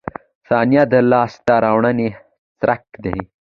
• ثانیه د لاسته راوړنې څرک دی.